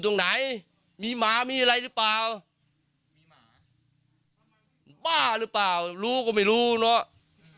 ตรงไหนมีหมามีอะไรหรือเปล่ามีหมาบ้าหรือเปล่ารู้ก็ไม่รู้เนอะ